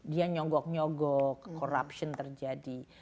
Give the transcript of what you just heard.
dia nyogok nyogok corruption terjadi